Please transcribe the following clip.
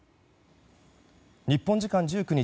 日本時間１９日